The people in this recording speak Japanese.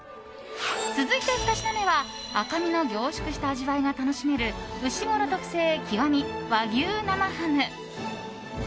続いて、２品目は赤身の凝縮した味わいが楽しめるうしごろ特製“極”和牛生ハム。